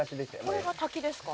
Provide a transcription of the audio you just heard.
これが瀧ですか？